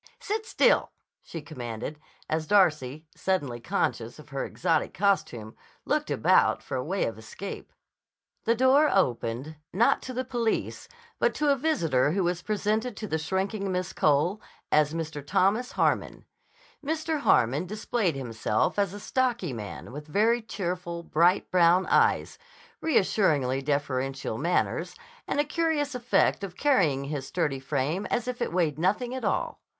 Sit still," she commanded as Darcy, suddenly conscious of her exotic costume, looked about for a way of escape. The door opened, not to the police, but to a visitor who was presented to the shrinking Miss Cole as Mr. Thomas Harmon. Mr. Harmon displayed himself as a stocky man with very cheerful, bright brown eyes, reassuringly deferential manners, and a curious effect of carrying his sturdy frame as if it weighed nothing at all.